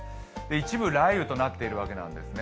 一部雷雨となっているわけなんですね。